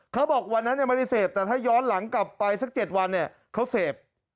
เขาบอกวันนั้นยังไม่ได้เสพแต่ถ้าย้อนหลังกลับไปสัก๗วันเนี่ยเขาเสพ